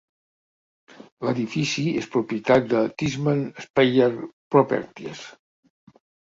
L'edifici és propietat de Tishman Speyer Properties.